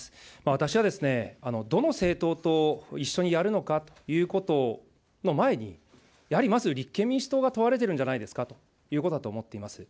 私はですね、どの政党と一緒にやるのかということの前に、やはりまず立憲民主党が問われているんじゃないですかということだと思います。